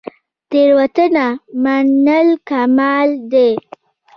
تیروتنه منل کمال دی